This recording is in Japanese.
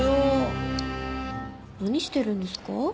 何してるんですか？